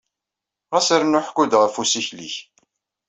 Ɣas rnu ḥku-d ɣef usikel-ik.